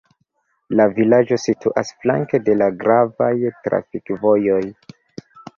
La vilaĝo situas flanke de la gravaj trafikvojoj.